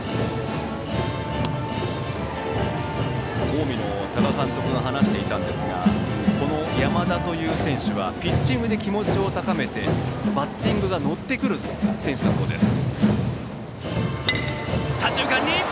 近江の多賀監督が話していたんですがこの山田という選手はピッチングで気持ちを高めてバッティングが乗ってくる選手だそうです。